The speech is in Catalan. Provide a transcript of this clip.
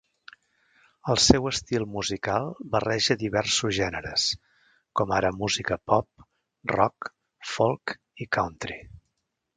El seu estil musical barreja diversos gèneres com ara música pop, rock, folk i country.